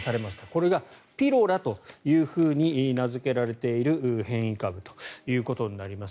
これがピロラというふうに名付けられている変異株ということになります。